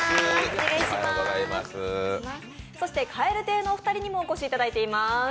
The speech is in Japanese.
そして、蛙亭のお二人にもお越しいただいております。